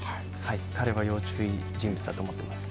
彼は要注意人物だと思います。